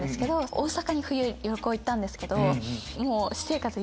大阪に冬旅行行ったんですけどもう。